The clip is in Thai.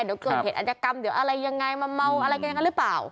เดี๋ยวเกิดเหตุอัธยกรรมเดี๋ยวอะไรยังไงมาเมาอะไรกันอย่างนั้นหรือเปล่า